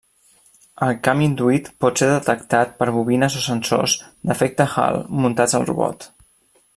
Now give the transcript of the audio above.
El camp induït pot ser detectat per bobines o sensors d'efecte Hall muntats al robot.